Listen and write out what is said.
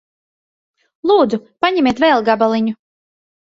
Lūdzu. Paņemiet vēl gabaliņu.